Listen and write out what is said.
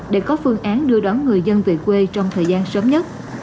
để có phương án đưa đón người dân về quê trong thời gian sớm nhất